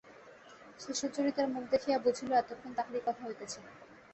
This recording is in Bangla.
সে সুচরিতার মুখ দেখিয়াই বুঝিল এতক্ষণ তাহারই কথা হইতেছিল।